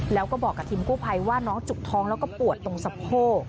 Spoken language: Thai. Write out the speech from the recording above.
แล้วก็บอกกับทีมกู้ภัยว่าน้องจุกท้องแล้วก็ปวดตรงสะโพก